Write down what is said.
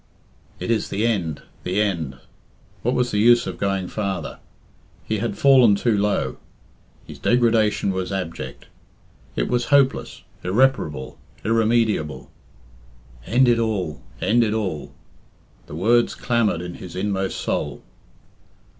"It is the end the end." What was the use of going farther? He had fallen too low. His degradation was abject. It was hopeless, irreparable, irremediable. "End it all end it all." The words clamoured in his inmost soul.